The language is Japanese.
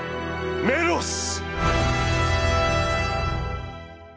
メロス」。